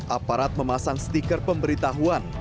aparat memasang stiker pemberitahuan